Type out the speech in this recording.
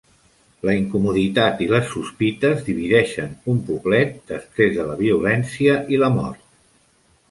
La incomoditat i les sospites divideixen un poblet després de la violència i la mort.